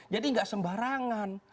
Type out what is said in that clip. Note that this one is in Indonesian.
jadi nggak sembarangan